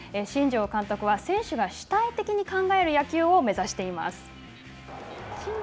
新庄監督は選手が主体的に考える野球を目指しています。